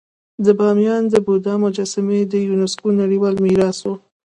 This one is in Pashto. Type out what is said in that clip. د بامیانو د بودا مجسمې د یونسکو نړیوال میراث وو